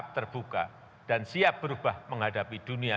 berhubungan dengan pemerintah indonesia